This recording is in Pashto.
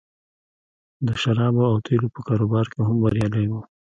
د شرابو او تیلو په کاروبار کې هم بریالی و